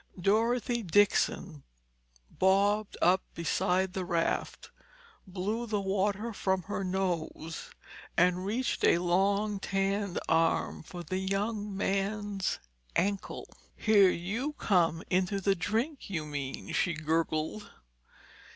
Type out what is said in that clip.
Dorothy Dixon bobbed up beside the raft, blew the water from her nose and reached a long tanned arm for the young man's ankle. "Here you come into the drink, you mean!" she gurgled.